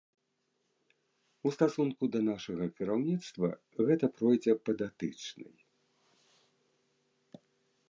У стасунку да нашага кіраўніцтва, гэта пройдзе па датычнай.